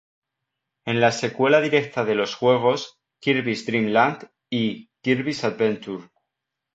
Es la secuela directa de los juegos "Kirby's Dream Land" y "Kirby's Adventure".